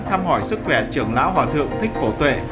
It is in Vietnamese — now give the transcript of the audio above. thăm hỏi sức khỏe trưởng lão hòa thượng thích phổ tuệ